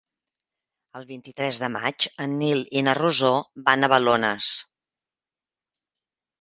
El vint-i-tres de maig en Nil i na Rosó van a Balones.